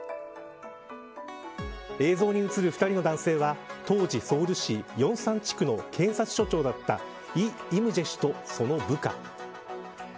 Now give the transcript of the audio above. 映像に映る２人の男性は当時、ソウル市龍山地区の警察署長だった李林宰氏とその部下。